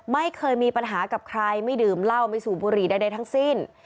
ไม่เคยมีปัญหากับใครไม่ดื่มเหล้าไม่สูบบุหรี่ใดทั้งสิ้น